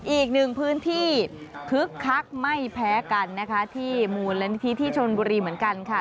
อีกหนึ่งพื้นที่คึกคักไม่แพ้กันนะคะที่มูลนิธิที่ชนบุรีเหมือนกันค่ะ